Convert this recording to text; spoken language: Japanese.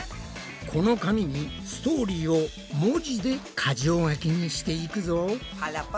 この紙にストーリーを文字で箇条書きにしていくぞ！